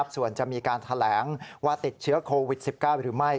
ส่วนจะมีการแถลงว่าติดเชื้อโควิด๑๙หรือไม่